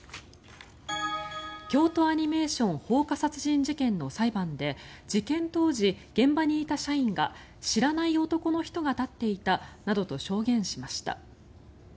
京都アニメーション放火殺人事件の裁判で事件当時、現場にいた社員が知らない男の人が立っていたなどと証言しました。